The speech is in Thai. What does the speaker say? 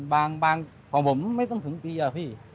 บางของผมไม่ต้องถึงปีอะพี่